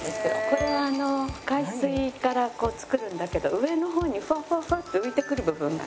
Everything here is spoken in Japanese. これは海水から作るんだけど上の方にふわふわふわって浮いてくる部分が。